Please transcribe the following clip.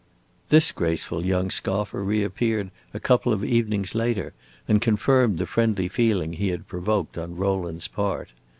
This graceful young scoffer reappeared a couple of evenings later, and confirmed the friendly feeling he had provoked on Rowland's part.